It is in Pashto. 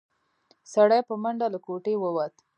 سړی په منډه له کوټې ووت.